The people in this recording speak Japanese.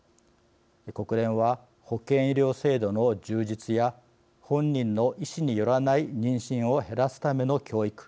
国連は、保健医療制度の充実や本人の意思によらない妊娠を減らすための教育。